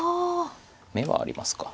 眼はありますか。